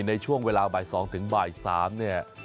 ในช่วงเวลาบ่าย๒ถึงบ่าย๓เนี่ย